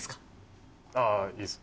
ああいいですよ。